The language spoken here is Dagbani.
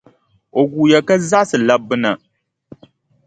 O guuya ka zaɣisi labbu na.